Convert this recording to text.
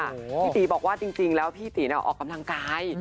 พี่ตีบอกว่าจริงแล้วพี่ตีออกกำลังกาย